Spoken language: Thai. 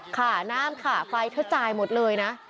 ค่าน้ำค่าไฟเธอจ่ายหมดเลยนะ